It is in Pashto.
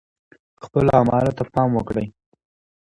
خپلو اعمالو ته پام وکړئ.